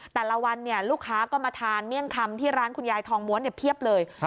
แต่ละวันลูกค้าก็มาทานเมี่ยงคำที่ร้านคุณยายทองม้วนเพียบเลย